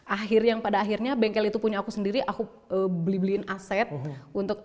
akhirnya pada akhirnya bengkel itu punya aku sendiri aku beli beliin aset untuk